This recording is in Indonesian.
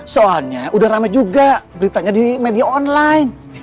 soalnya udah rame juga beritanya di media online